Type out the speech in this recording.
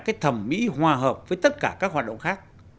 cái thẩm mỹ hòa hợp với tất cả các hoạt động khác